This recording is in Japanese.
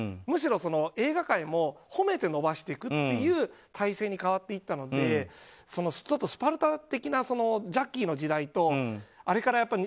むしろ、映画界も褒めて伸ばしていくという体制に変わっていったのでスパルタ的なジャッキーの時代